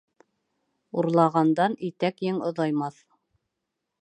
Урлағандан итәк-ең оҙаймаҫ.